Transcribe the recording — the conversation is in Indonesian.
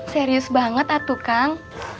serius banget atu kang